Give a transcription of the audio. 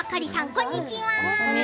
こんにちは。